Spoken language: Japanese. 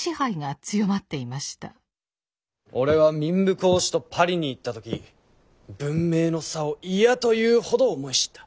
俺は民部公子とパリに行った時文明の差を嫌というほど思い知った。